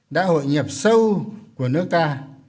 đã hội nhập sâu của nước ta